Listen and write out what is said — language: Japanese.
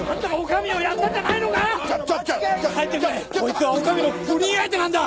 こいつは女将の不倫相手なんだ！